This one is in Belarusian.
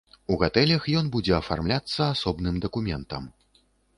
У гатэлях ён будзе афармляцца асобным дакументам.